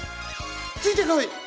ついてこい！